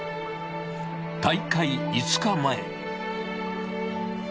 大会５日前。